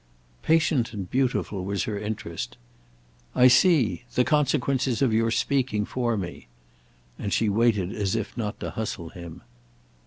Patient and beautiful was her interest. "I see—the consequences of your speaking for me." And she waited as if not to hustle him.